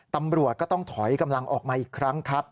ตำรวจก็ต้องถอยกำลังออกมาอีกครั้งครับ